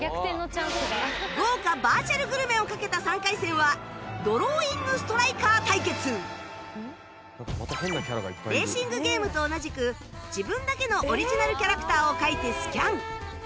豪華バーチャルグルメをかけたレーシングゲームと同じく自分だけのオリジナルキャラクターを描いてスキャン